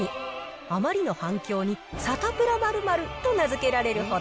あまりの反響に、サタプラ〇〇と名付けられるほど。